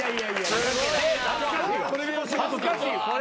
恥ずかしい。